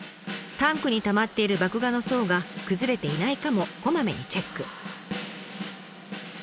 タンクにたまっている麦芽の層が崩れていないかもこまめにチェック。